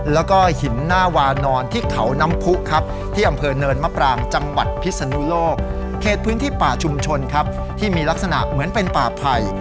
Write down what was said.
แล้วก็หินหน้าวานอนที่เขาน้ำผู้ครับที่อำเภอเนินมะปรางจังหวัดพิศนุโลกเขตพื้นที่ป่าชุมชนครับที่มีลักษณะเหมือนเป็นป่าไผ่